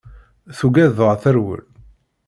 Tugad dɣa terwel.